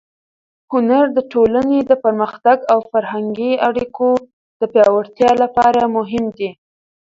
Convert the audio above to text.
هنر د ټولنې د پرمختګ او فرهنګي اړیکو د پیاوړتیا لپاره مهم دی.